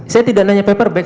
saya tidak tanya paperback